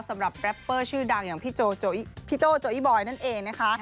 สำหรับแร็ปเปอร์ชื่อดังอย่างพี่โจโจ้ยพี่โจโจ้ยบอยนั่นเอง